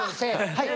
はい！